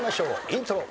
イントロ。